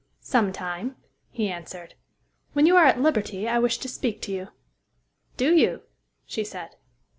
"Some time," he answered. "When you are at liberty, I wish to speak to you." "Do you?" she said.